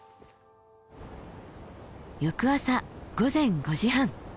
翌朝午前５時半。